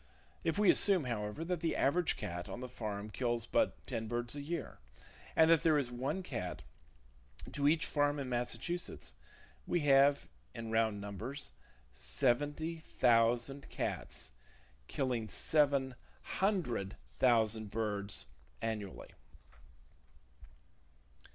If we assume, however, that the average cat on the farm kills but ten birds per year, and that there is one cat to each farm in Massachusetts, we have, in round numbers, seventy thousand cats, killing seven hundred thousand birds annually.